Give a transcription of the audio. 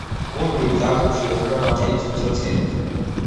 კუნძული წარსულში ერთვოდა მატერიკს ვიწრო ცელით.